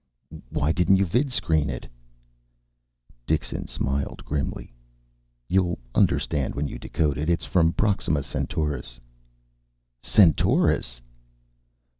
"Why didn't you vidscreen it?" Dixon smiled grimly. "You'll understand when you decode it. It's from Proxima Centaurus." "Centaurus!"